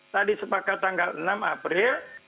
tadi sepakat tanggal enam april